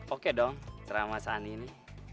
oke dong sama sani ini